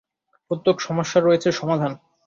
প্রত্যেক সমস্যার রয়েছে সমাধান।